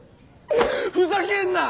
ふざけんな！